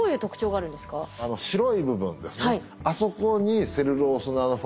あの白い部分ですね